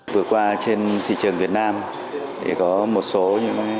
vừa qua trên thị trường việt nam có một số hãng xe có giảm giá